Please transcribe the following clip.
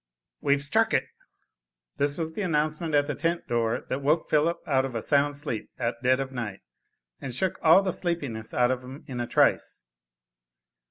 "We've struck it!" This was the announcement at the tent door that woke Philip out of a sound sleep at dead of night, and shook all the sleepiness out of him in a trice.